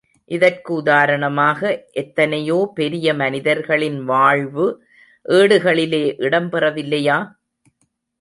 இதற்கு உதாரணமாக, எத்தனையோ பெரிய மனிதர்களின் வாழ்வு ஏடுகளிலே இடம் பெறவில்லையா?